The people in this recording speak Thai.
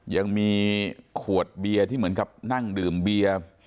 ยังมีขวดเบียร์ที่เหมือนกับนั่งดื่มเบียร์